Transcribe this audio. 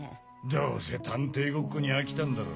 どうせ探偵ごっこに飽きたんだろ。